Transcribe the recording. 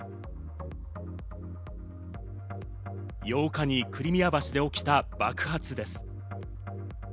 ８日にクリミア橋で起きた爆発です。